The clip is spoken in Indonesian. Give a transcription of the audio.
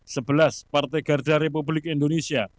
sebelas partai garda republik indonesia